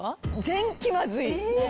全気まずい。